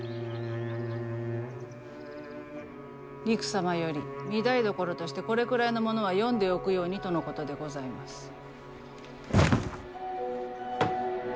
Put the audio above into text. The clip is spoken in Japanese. りく様より御台所としてこれくらいのものは読んでおくようにとのことでございます。